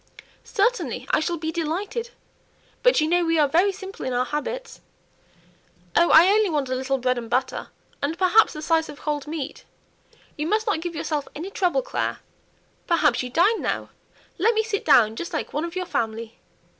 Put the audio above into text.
"Certainly. I shall be delighted! but you know we are very simple in our habits." "Oh, I only want a little bread and butter, and perhaps a slice of cold meat you must not give yourself any trouble, Clare perhaps you dine now? let me sit down just like one of your family."